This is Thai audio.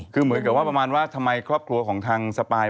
คือเหมือนกับว่าประมาณว่าทำไมครอบครัวของทางสปาย